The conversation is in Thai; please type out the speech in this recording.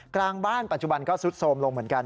กลางบ้านปัจจุบันก็ซุดโทรมลงเหมือนกัน